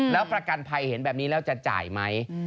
แล้วประกันภัยเห็นแบบนี้แล้วจะจ่ายไหม